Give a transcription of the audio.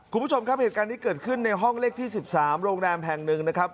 คุณผู้ชมครับเหตุการณ์นี้เกิดขึ้นในห้องเลขที่๑๓โรงแรมแห่งหนึ่งนะครับ